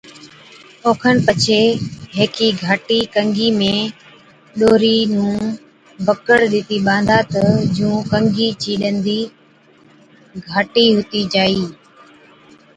او کن پڇي هيڪي گھاٽِي ڪنگِي ۾ ڏوري نُون بڪڙ ڏِتِي ٻانڌا تہ جُون ڪنگِي چي ڏندي گھاٽي هُتِي جائِي۔